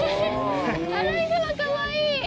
アライグマかわいい！